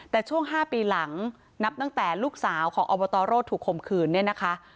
แต่ช่วง๕ปีหลังนับตั้งแต่ลูกสาวของอบตรโรธถูกคมคืนเนี่ยนะคะ